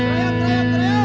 teriung teriung teriung